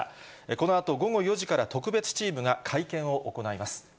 このあと午後４時から特別チームが会見を行います。